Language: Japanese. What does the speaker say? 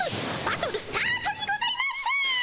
バトルスタートにございます！